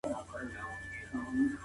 پرته د قدرته سیاسي پرېکړې مه کوئ.